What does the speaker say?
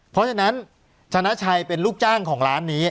เพราะฉะนั้นชนะชัยเป็นลูกจ้างของร้านนี้